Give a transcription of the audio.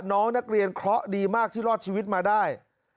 น้องนักเรียนเคราะห์ดีมากที่รอดชีวิตมาได้